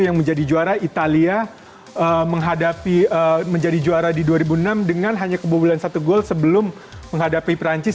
yang menjadi juara italia menjadi juara di dua ribu enam dengan hanya kebobolan satu gol sebelum menghadapi perancis